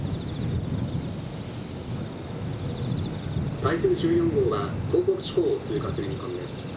「台風１４号は東北地方を通過する見込みです。